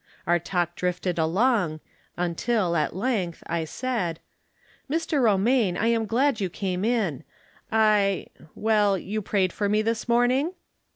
Our talk drifted along, until, at length, I said :" Mr. Romaine, I am glad you came in. I r well, you prayed for me this morning